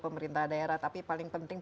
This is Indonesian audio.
pemerintah daerah tapi paling penting